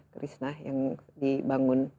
terus nah yang dibangun